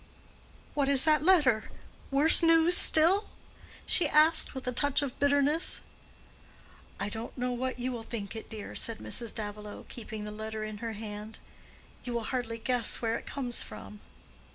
"What is that letter?—worse news still?" she asked, with a touch of bitterness. "I don't know what you will think it, dear," said Mrs. Davilow, keeping the letter in her hand. "You will hardly guess where it comes from."